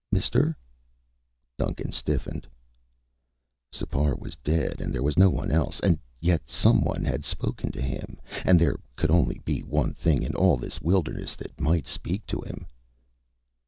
"Mister?" Duncan stiffened. Sipar was dead and there was no one else and yet someone had spoken to him, and there could be only one thing in all this wilderness that might speak to him.